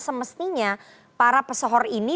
semestinya para pesohor ini